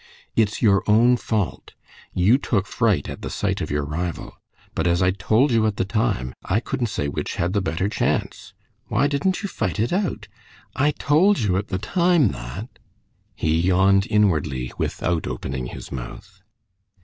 "It's your own fault. You took fright at the sight of your rival. But, as I told you at the time, I couldn't say which had the better chance. Why didn't you fight it out? I told you at the time that...." He yawned inwardly, without opening his mouth.